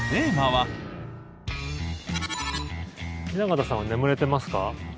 雛形さんは眠れてますか？